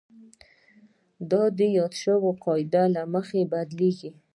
دا د یادې شوې قاعدې له مخې بدلیږي.